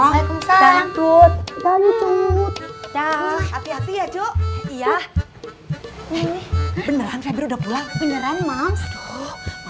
waalaikumsalam dan tut dahi tut dahi hati hati ya cu iya beneran febri udah pulang beneran mams